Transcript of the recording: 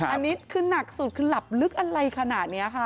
อันนี้คือหนักสุดคือหลับลึกอะไรขนาดนี้ค่ะ